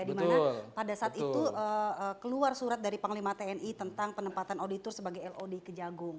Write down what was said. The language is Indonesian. dimana pada saat itu keluar surat dari panglima tni tentang penempatan auditor sebagai lod kejagung